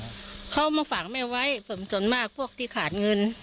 เขามาฝากแม่ไว้ส่วนมากพวกที่ขาดเงิน